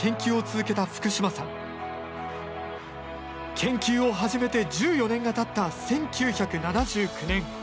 研究を始めて１４年がたった１９７９年。